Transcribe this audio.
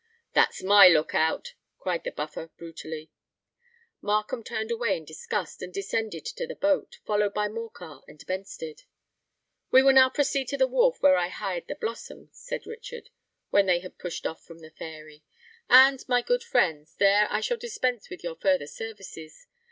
"That's my look out," cried the Buffer, brutally. Markham turned away in disgust, and descended to the boat, followed by Morcar and Benstead. "We will now proceed to the wharf where I hired the Blossom," said Richard, when they had pushed off from the Fairy; "and, my good friends, there I shall dispense with your further services.